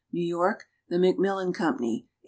New York : The Macmillan Company. 1897.